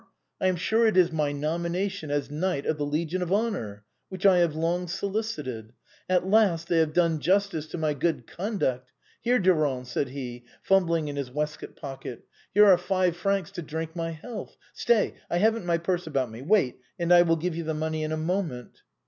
I am sure it is my nomination as Knight of the Legion of Honor, which I have so long solicited. At last they have done justice to my good conduct. Here, Du rand," said he, fumbling in his waistcoat pocket, " here are five francs to drink my health. Stay ! I haven't my purse about me. Wait, and I will give you the money in a moment."